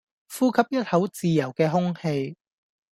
呼吸一口自由既空氣